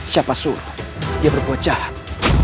siapa suruh dia berbuat jahat